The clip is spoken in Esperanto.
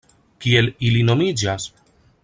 Kiel ili nomiĝas?